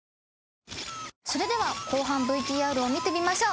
それでは後半ＶＴＲを見てみましょう。